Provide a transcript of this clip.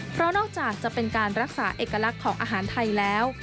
เพราะนอกจากจะเป็นการรักษาเอกลักษณ์ของอาหารไทยแล้ว